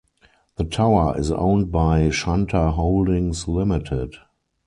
The tower is owned by Shanta Holdings Limited.